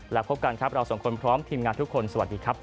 และพบกันครับเราสองคนพร้อมทีมงานทุกคนสวัสดีครับ